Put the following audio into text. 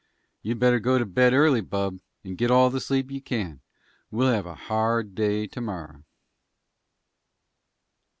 "You'd better go to bed early, bub, and git all the sleep you can. We'll have a hard day to morrer."